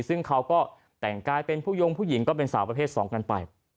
ซึ่งเขาก็แต่งกายเป็นผู้ยงผู้หญิงก็เป็นสาวประเภท๒กันไป